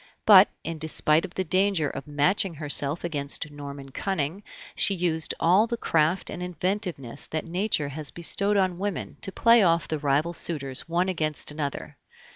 But, in despite of the danger of matching herself against Norman cunning, she used all the craft and inventiveness that Nature has bestowed on women to play off the rival suitors one against another.